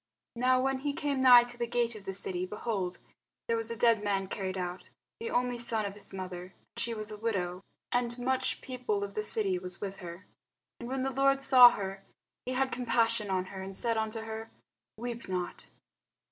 Now when he came nigh to the gate of the city, behold, there was a dead man carried out, the only son of his mother, and she was a widow: and much people of the city was with her. And when the Lord saw her, he had compassion on her, and said unto her, Weep not.